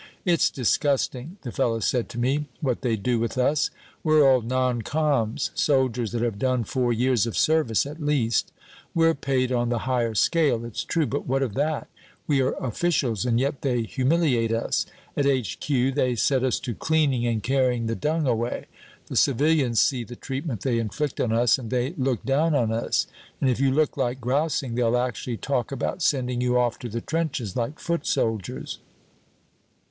'It's disgusting,' the fellow said to me, 'what they do with us. We're old non coms., soldiers that have done four years of service at least. We're paid on the higher scale, it's true, but what of that? We are Officials, and yet they humiliate us. At H.Q. they set us to cleaning, and carrying the dung away. The civilians see the treatment they inflict on us, and they look down on us. And if you look like grousing, they'll actually talk about sending you off to the trenches, like foot soldiers!